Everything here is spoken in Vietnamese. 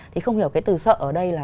thì không hiểu cái từ sợ ở đây là